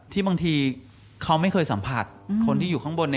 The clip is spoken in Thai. บางทีเขาไม่เคยสัมผัสคนที่อยู่ข้างบน